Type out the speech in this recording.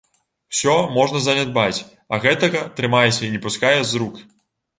Усё можна занядбаць, а гэтага трымайся і не пускай з рук.